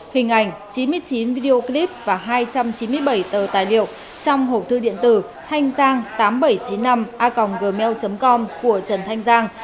hình ảnh chín mươi chín video clip và hai trăm chín mươi bảy tờ tài liệu trong hộp thư điện tử thanh giang tám nghìn bảy trăm chín mươi năm a gmail com của trần thanh giang